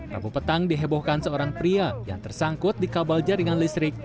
rabu petang dihebohkan seorang pria yang tersangkut di kabel jaringan listrik